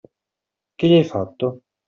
Che gli hai fatto?